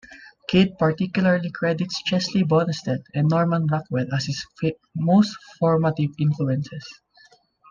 Kidd particularly credits Chesley Bonestell and Norman Rockwell as his most formative influences.